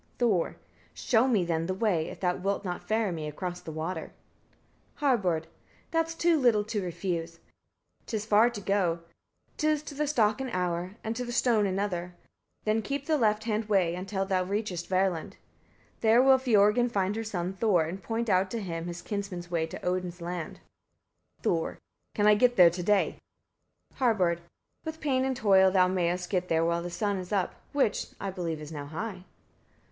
Thor. 55. Show me then the way, if thou wilt not ferry me across the water. Harbard. 56. That's too little to refuse. 'Tis far to go; 'tis to the stock an hour, and to the stone another; then keep the left hand way, until thou reachest Verland; there will Fiorgyn find her son Thor, and point out to him his kinsmen's ways to Odin's land. Thor. 57. Can I get there to day? Harbard. 58. With pain and toil thou mayest get there, while the sun is up, which, I believe, is now nigh.